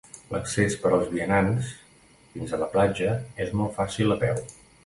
L'accés per als vianants fins a la platja és molt fàcil a peu.